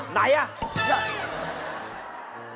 ไหนอย่าให้กูรู้นะ